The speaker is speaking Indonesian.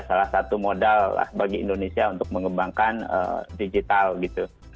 salah satu modal lah bagi indonesia untuk mengembangkan digital gitu